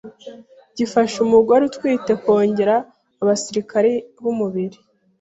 gifasha umugore utwite kongera abasirikare b’umubiri